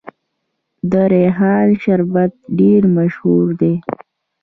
د ریحان شربت ډیر مشهور دی.